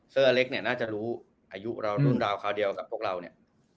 เล็กเนี่ยน่าจะรู้อายุเรารุ่นราวคราวเดียวกับพวกเราเนี่ย